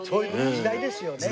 時代ですよね。